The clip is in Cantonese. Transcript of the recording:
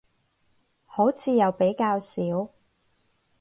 好似又比較少